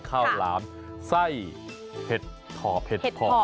ข้าวหลามไส้เห็ดถอบเห็ดเพาะ